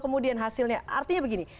kemudian hasilnya artinya begini